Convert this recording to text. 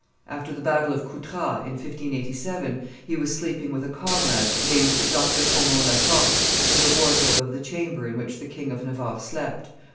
After the battle of Coutras, in 1587, he was sleeping with a comrade named Jacques de Caumont la Force, in the wardrobe of the chamber in which the King of Navarre slept.